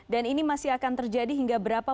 dan ini masih akan terjadi hingga berapa